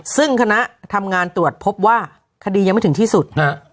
ซึ่งคณะทำงานตรวจพบว่าคดียังไม่ถึงที่สุด